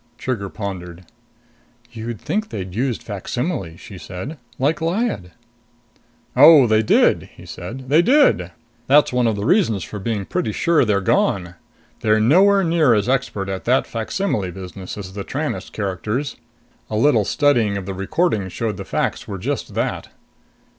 Trigger pondered. "You'd think they'd use facsimiles," she said. "Like Lyad." "Oh, they did," he said. "They did. That's one of the reasons for being pretty sure they're gone. They're nowhere near as expert at that facsimile business as the Tranest characters. A little study of the recordings showed the facs were just that."